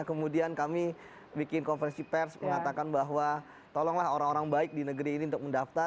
kemudian kami bikin konversi pers mengatakan bahwa tolonglah orang orang baik di negeri ini untuk mendaftar